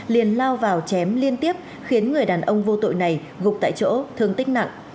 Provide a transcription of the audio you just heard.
liền lao vào chém liên tiếp khiến người đàn ông vô tội này gục tại chỗ thương tích nặng